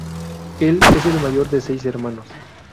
Él es el mayor de seis hermanos.